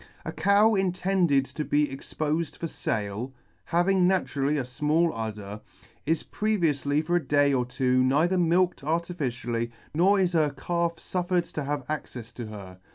A cow intended to be expofed for fale, having naturally a fmall udder, is previoufly for a day or two neither milked artificially, nor is her calf fuffered to have accefs to her.